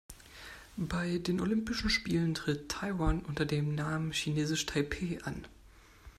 Bei den Olympischen Spielen tritt Taiwan unter dem Namen „Chinesisch Taipeh“ an.